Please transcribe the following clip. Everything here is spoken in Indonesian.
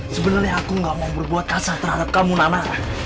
sebenarnya aku gak mau berbuat kasah terhadap kamu nana